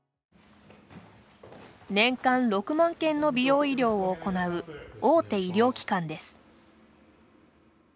年間６万件の美容医療を行う大手医療機関です。